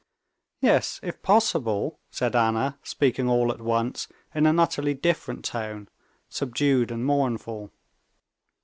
"Yes, if possible," said Anna, speaking all at once in an utterly different tone, subdued and mournful.